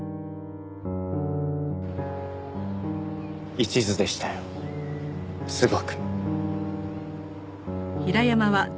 一途でしたよすごく。